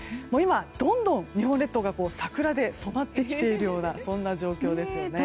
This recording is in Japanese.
今、どんどん日本列島が桜で染まってきているようなそんな状況ですね。